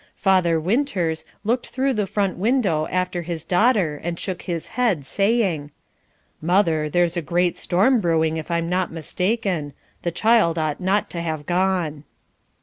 Father Winters looked through the front window after his daughter, and shook his head, saying: "Mother, there's a great storm brewing, if I'm not mistaken. The child ought not to have gone."